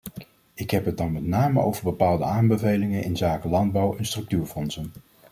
Ik heb het dan met name over bepaalde aanbevelingen inzake landbouw- en structuurfondsen.